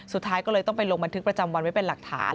สุดท้ายก็เลยต้องไปลงบันทึกประจำวันไว้เป็นหลักฐาน